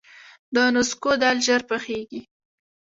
د نسکو دال ژر پخیږي.